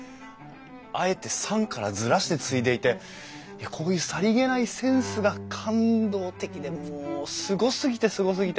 あえて桟からずらして継いでいてこういうさりげないセンスが感動的でもうすごすぎてすごすぎて。